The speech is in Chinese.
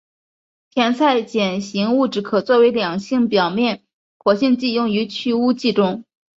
甜菜碱型物质可作为两性表面活性剂用于去污剂中。